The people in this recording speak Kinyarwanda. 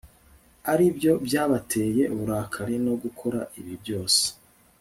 ari byo byabateye uburakari no gukora ibi byose